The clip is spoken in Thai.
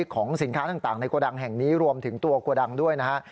ของสินค้าต่างในโกดังแห่งนี้รวมถึงตัวโกดังด้วยนะฮะ